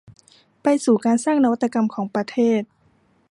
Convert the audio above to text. ไปสู่การสร้างนวัตกรรมของประเทศ